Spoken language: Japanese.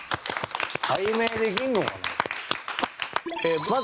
解明できるのかな。